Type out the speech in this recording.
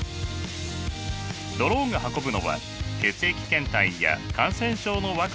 ドローンが運ぶのは血液検体や感染症のワクチンなどです。